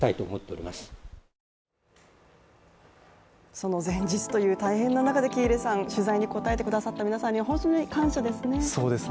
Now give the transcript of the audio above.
その前日という大変な中で喜入さん、取材に答えてくださった皆さんに本当に感謝ですね。